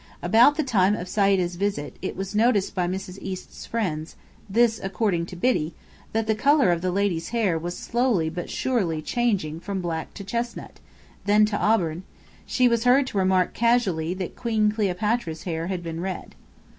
About the time of Sayda's visit, it was noticed by Mrs. East's friends (this, according to Biddy) that the colour of the lady's hair was slowly but surely changing from black to chestnut, then to auburn; she was heard to remark casually that Queen Cleopatra's hair had been red.